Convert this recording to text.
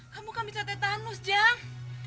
kamu kan bisa tetanus jam